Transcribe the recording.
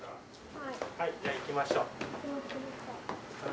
はいじゃあ行きましょう。